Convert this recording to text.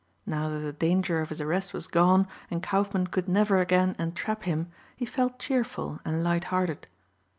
Now that the danger of his arrest was gone and Kaufmann could never again entrap him he felt cheerful and lighthearted.